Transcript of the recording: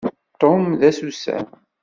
Tom d asusam.